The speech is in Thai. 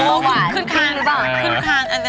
หรือหิ้นหรือเปล่า